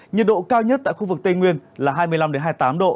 nhiệt độ cao nhất tại khu vực tây nguyên là hai mươi năm hai mươi tám độ